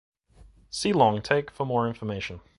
See Long take for more information.